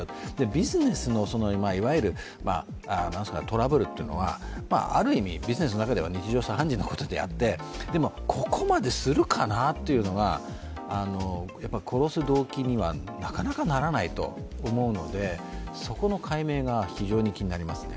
ビジネスのいわゆるトラブルというのはある意味、ビジネスの中では日常茶飯事のことであって、でも、ここまでするかなというのが殺す動機にはなかなかならないと思うので、そこの解明が非常に気になりますね。